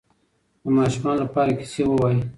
د ماشومانو لپاره کیسې ووایئ.